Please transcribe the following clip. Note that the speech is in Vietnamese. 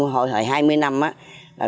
hồi hai mươi năm